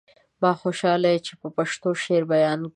ما خوشحال چې په پښتو شعر بيان کړ.